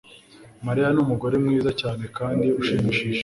Mariya numugore mwiza cyane kandi ushimishije